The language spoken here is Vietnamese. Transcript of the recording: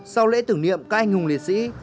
sau lễ tưởng niệm các anh hùng liệt sĩ